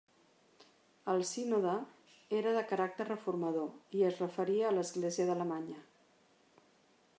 El sínode era de caràcter reformador i es referia a l'església d'Alemanya.